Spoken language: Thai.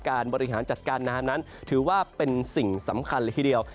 บริหารจัดการน้ำนั้นถือว่าเป็นสิ่งสำคัญเลยทีเดียว